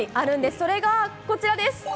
それがこちらです。